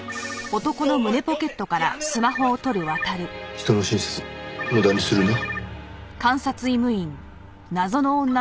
人の親切無駄にするな。